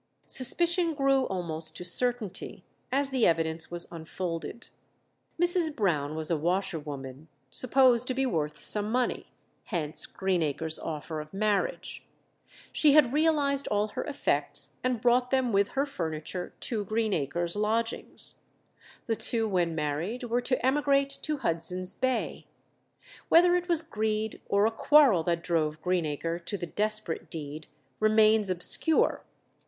Suspicion grew almost to certainty as the evidence was unfolded. Mrs. Brown was a washer woman, supposed to be worth some money; hence Greenacre's offer of marriage. She had realized all her effects, and brought them with her furniture to Greenacre's lodgings. The two when married were to emigrate to Hudson's Bay. Whether it was greed or a quarrel that drove Greenacre to the desperate deed remains obscure.